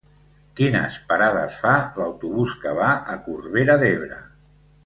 Quines parades fa l'autobús que va a Corbera d'Ebre?